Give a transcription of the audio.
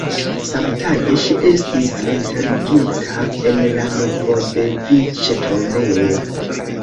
Samtage ŝi estis enterigita en la Novodeviĉe-tombejo.